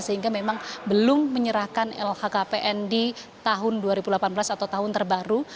sehingga memang belum menyerahkan lhkpn di tahun dua ribu delapan belas atau tahun terbaru